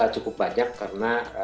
cukup banyak karena